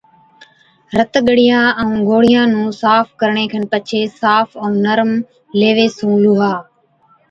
رت ڳڙِيان ائُون گوڙهِيان نُون صاف ڪرڻي کن پڇي صاف ائُون نرم ليوي سُون لُوها